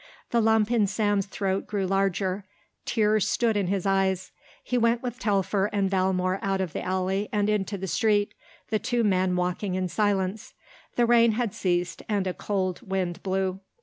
The lump in Sam's throat grew larger. Tears stood in his eyes. He went with Telfer and Valmore out of the alley and into the street, the two men walking in silence. The rain had ceased and a cold wind blew.